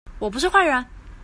我不是壞人